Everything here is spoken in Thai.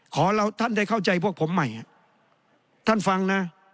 เราท่านได้เข้าใจพวกผมใหม่ท่านฟังนะ